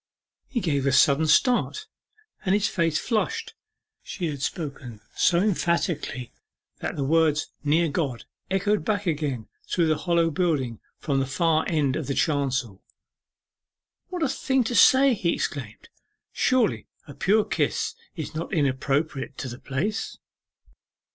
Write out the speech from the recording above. He gave a sudden start, and his face flushed. She had spoken so emphatically that the words 'Near God' echoed back again through the hollow building from the far end of the chancel. 'What a thing to say!' he exclaimed; 'surely a pure kiss is not inappropriate to the place!